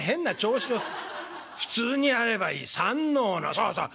「そうそう。